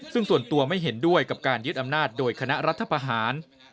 ซึ่งส่วนตัวไม่เห็นด้วยกับการยึดอำนาจโดยคณะรัฐประหาร